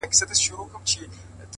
یوازي له منصور سره لیکلی وو ښاغلی-